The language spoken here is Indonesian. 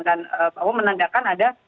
dan menandakan ada